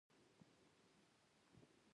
دا ښار د فلسطیني ادارې په ساحه کې شامل دی.